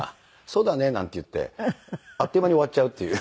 「そうだね」なんて言ってあっという間に終わっちゃうっていう。